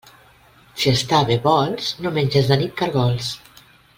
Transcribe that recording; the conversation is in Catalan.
Si estar bé vols, no menges de nit caragols.